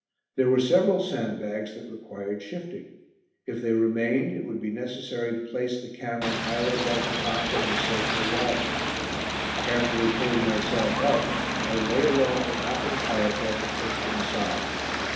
There were several sandbags that required shifting. If they remained it would be necessary to place the camera higher above the top than was safe or wise. Carefully pulling myself up, I lay along the top of the parapet and pushed them aside.